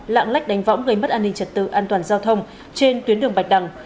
lạng lách đánh võng gây mất an ninh trật tự an toàn giao thông trên tuyến đường bạch đằng